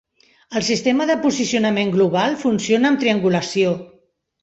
El sistema de posicionament global funciona amb triangulació.